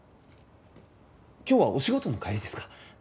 今日はお仕事の帰りですか？